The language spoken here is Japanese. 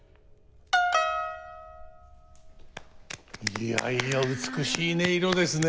いやいや美しい音色ですね。